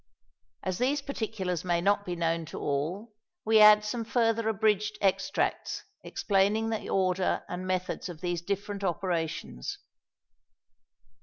" As these particulars may not be known to all, we add some further abridged extracts explaining the order and methods of these different operations.